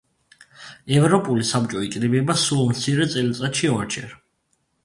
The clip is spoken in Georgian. ევროპული საბჭო იკრიბება სულ მცირე წელიწადში ორჯერ.